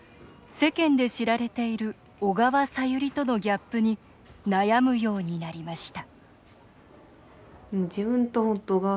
世間で知られている「小川さゆり」とのギャップに悩むようになりました